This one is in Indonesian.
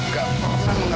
sebagai perempuan itu